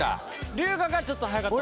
龍我がちょっと速かった？